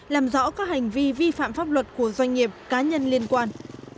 làm rõ các hành vi vi phạm pháp luật của doanh nghiệp cá nhân liên quan